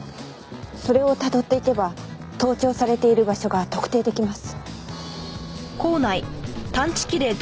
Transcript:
それをたどっていけば盗聴されている場所が特定できます。